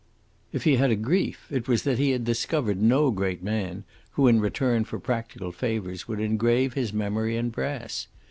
If he had a grief, it was that he had discovered no great man who in return for practical favours would engrave his memory in brass.